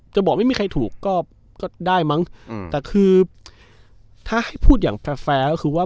จะบอกไม่มีใครถูกก็ได้มั้งแต่คือถ้าให้พูดอย่างแฟร์แฟร์ก็คือว่า